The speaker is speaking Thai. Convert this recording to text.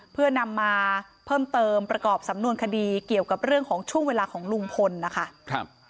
เพื่อนำมาเพิ่มเติมประกอบสำนวนคดีเกี่ยวกับเรื่องของช่วงเวลาของลุงพลนะคะ